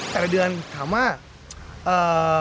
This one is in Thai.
แต่ละเดือนถามว่าเอ่อ